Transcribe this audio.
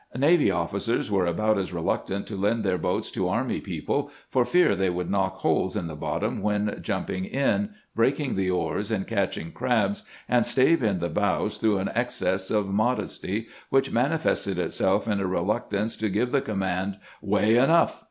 Navy officers were about as reluctant to lend their boats to army people, for fear they would knock holes in the bottom when jumping in, break the oars in catching crabs, and stave in the bows through an excess of mod esty which manifested itself in a reluctance to give the command, " Way enough